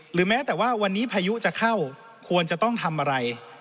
แม้แต่ว่าวันนี้พายุจะเข้าควรจะต้องทำอะไร